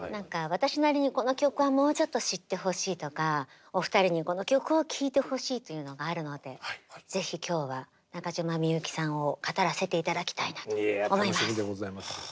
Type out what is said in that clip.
私なりにこの曲はもうちょっと知ってほしいとかお二人にこの曲を聴いてほしいというのがあるのでぜひ今日は中島みゆきさんを語らせて頂きたいなと思います。